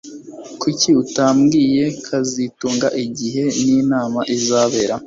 Kuki utabwiye kazitunga igihe ninama izabera